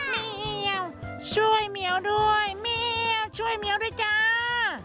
เมียเอียวช่วยเหมียวด้วยเมียวช่วยเมียวด้วยจ้า